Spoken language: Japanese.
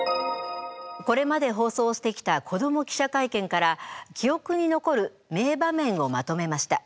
これまで放送してきた「子ども記者会見」から記憶に残る名場面をまとめました。